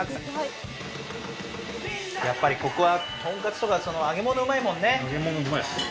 やっぱりここはとんかつとか揚げ物、うまいもんね。